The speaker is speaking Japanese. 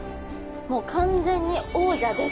もう完全に王者です！